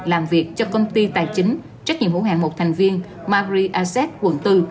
làm việc cho công ty tài chính trách nhiệm hữu hàng một thành viên marriasset quận bốn